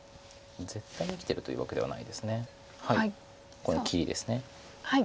ここの切りです。